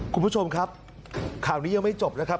คุณผู้ชมครับข่าวนี้ยังไม่จบนะครับ